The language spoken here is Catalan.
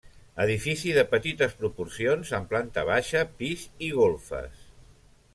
Edifici de petites proporcions amb planta baixa, pis i golfes.